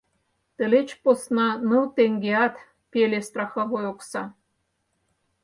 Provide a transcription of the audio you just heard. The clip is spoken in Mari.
Тылеч посна ныл теҥгеат пеле страховой окса.